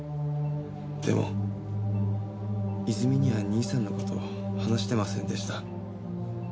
でも泉には兄さんの事を話してませんでした。